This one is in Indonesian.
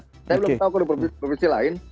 saya belum tahu kalau di provinsi provinsi lain